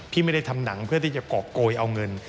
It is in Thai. ไม่ได้ทำหนังเพื่อที่จะกรอบโกยเอาเงิน